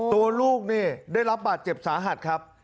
ลูกนี่ได้รับบาดเจ็บสาหัสครับ